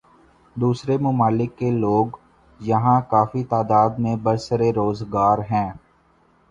دوسرے ممالک کے لوگ یہاں کافی تعداد میں برسر روزگار ہیں